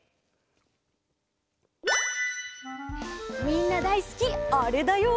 みんなだいすきあれだよ。